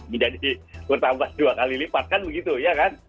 menjadi bertambah dua kali lipat kan begitu ya kan